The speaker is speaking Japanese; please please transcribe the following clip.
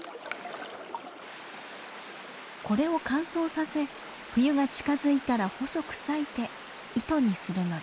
これを乾燥させ冬が近づいたら細く裂いて糸にするのです。